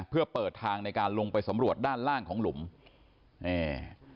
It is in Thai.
เพื่อเปิดทางในการลงไปสำรวจด้านล่างของหลุมอ่า